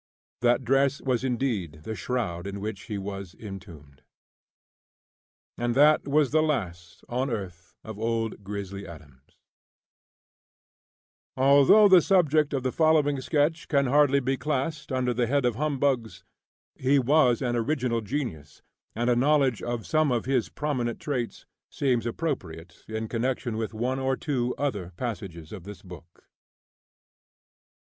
That dress was indeed the shroud in which he was entombed. And that was the last on earth of "Old Grizzly Adams." FOOTNOTES: [37 *] Although the subject of the following sketch can hardly be classed under the head of "Humbugs," he was an original genius, and a knowledge of some of his prominent traits seems appropriate in connection with one or two other passages of this book.